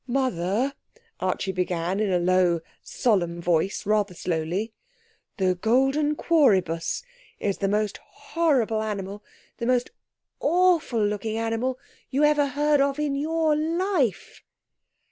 'Mother,' Archie began in a low, solemn voice, rather slowly, 'the golden quoribus is the most horrible animal, the most awful looking animal, you ever heard of in your life!'